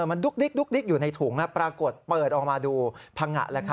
มันดุ๊กดิ๊กอยู่ในถุงปรากฏเปิดออกมาดูพังงะ